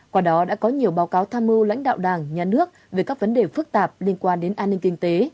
quả đó đã có nhiều báo cáo tham mưu lãnh đạo đảng nhà nước về các vấn đề phức tạp liên quan đến an ninh kinh tế